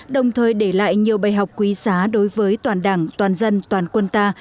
đồng thời để lại nhiều bài học quý giá đối với toàn đảng toàn dân toàn quân ta